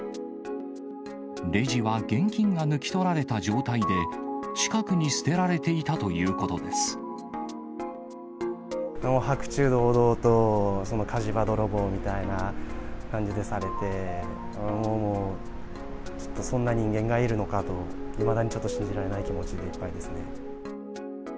レジは現金が抜き取られた状態で、近くに捨てられていたということ白昼堂々と、火事場泥棒みたいな感じでされて、そんな人間がいるのかと、いまだにちょっと信じられない気持ちでいっぱいですね。